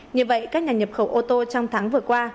như vậy các nhà nhập khẩu ô tô trong tháng vừa qua